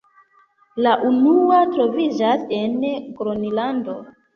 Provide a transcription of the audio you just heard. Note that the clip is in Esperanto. La unua troviĝas en Gronlando.